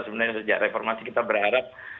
sebenarnya sejak reformasi kita berharap